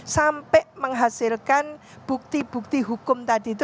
sampai menghasilkan bukti bukti hukum tadi itu